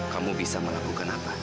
kamu bisa melakukan apa